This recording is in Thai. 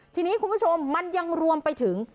ทีนี้คุณผู้ชมมันยังรวมไปถึง